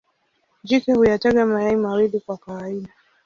Jike huyataga mayai mawili kwa kawaida.